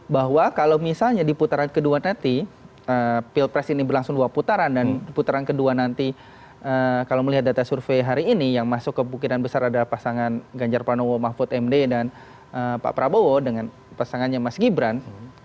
bahwa kalau misalnya di putaran kedua nanti pilpres ini berlangsung dua putaran dan putaran kedua nanti kalau melihat data survei hari ini yang masuk kemungkinan besar adalah pasangan ganjar pranowo mahfud md dan pak prabowo dengan pasangannya mas gibran